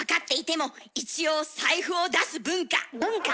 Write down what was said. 文化！